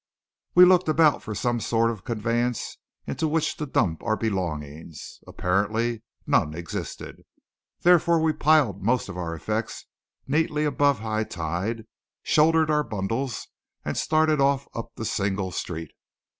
We looked about for some sort of conveyance into which to dump our belongings. Apparently none existed. Therefore we piled most of our effects neatly above high tide, shouldered our bundles, and started off up the single street.